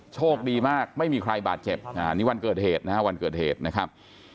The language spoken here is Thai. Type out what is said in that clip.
โชคดีมากไม่มีใครบาดเจ็บนี่วันเกิดเหตุนะฮะวันเกิดเหตุนะครับ